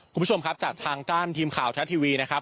คุณผู้ชมครับจากทางด้านทีมข่าวทัศน์ทีวีนะครับ